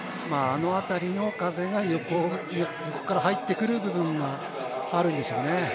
あのあたりの風が横から入ってくる部分があるんでしょうね。